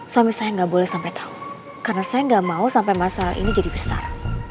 suami saya nggak boleh sampai tahu karena saya nggak mau sampai masalah ini jadi besar